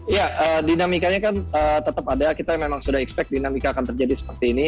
ya dinamikanya kan tetap ada kita memang sudah expect dinamika akan terjadi seperti ini